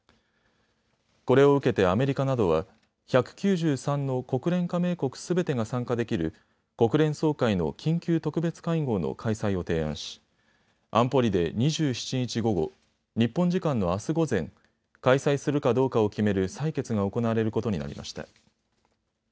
これを受けてアメリカなどは１９３の国連加盟国すべてが参加できる国連総会の緊急特別会合の開催を提案し安保理で２７日午後、日本時間のあす午前、開催するかどうかを決める採決が行われることになりました。